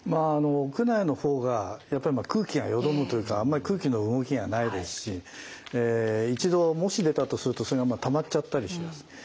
屋内の方がやっぱり空気がよどむというかあんまり空気の動きがないですし一度もし出たとするとそれがたまっちゃったりしやすい。